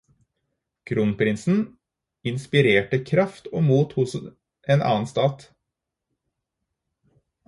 Kronprinsen inspirerte kraft og mot hos en annen stat.